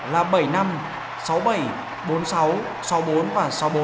là bảy năm sáu bảy bốn sáu sáu bốn và sáu bốn